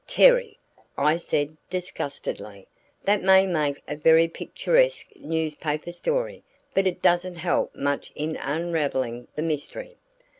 "Terry," I said disgustedly, "that may make a very picturesque newspaper story, but it doesn't help much in unravelling the mystery."